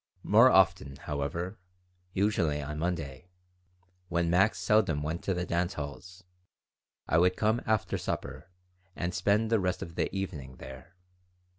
More often, however usually on Monday, when Max seldom went to the dance halls I would come after supper and spend the rest of the evening there.